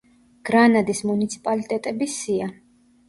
გრანადის მუნიციპალიტეტების სია.